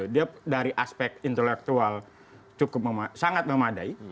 dia dari aspek intelektual sangat memadai